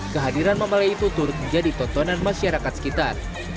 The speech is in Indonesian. kehadiran mamale itu turut menjadi tontonan masyarakat sekitar